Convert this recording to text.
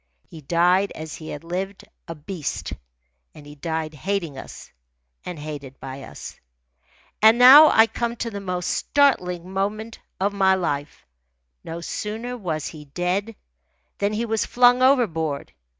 He died as he had lived, a beast, and he died hating us and hated by us. And now I come to the most startling moment of my life. No sooner was he dead than he was flung overboard.